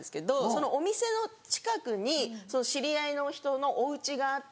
そのお店の近くに知り合いの人のおうちがあって。